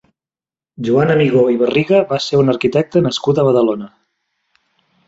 Joan Amigó i Barriga va ser un arquitecte nascut a Badalona.